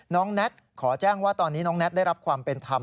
แน็ตขอแจ้งว่าตอนนี้น้องแท็ตได้รับความเป็นธรรม